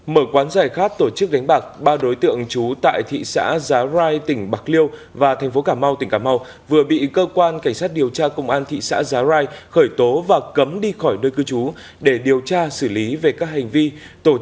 mở quán giải khát tổ chức đánh bạc ba đối tượng trú tại thị xã giá rai tỉnh bạc liêu và thành phố cảm mau tỉnh cảm mau vừa bị cơ quan cảnh sát điều tra công an thị xã giá rai khởi tố và cấm đi khỏi nơi cư trú để điều tra xử lý về các hành vi tổ chức đánh bạc và đánh bạc